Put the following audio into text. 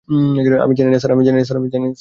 আমি জানি না, স্যার।